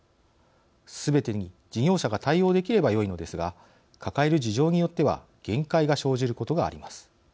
すべてに事業者が対応できればよいのですが抱える事情によっては限界が生じることがあります。